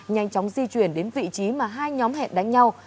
nhanh chóng di chuyển đến vị trí mà hai nhóm hẹn đánh nhau